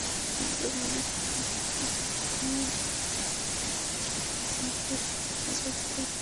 কিন্তু গণেশরাম দামে আমাকে ঠকাচ্ছে বলে বোধ হচ্ছে।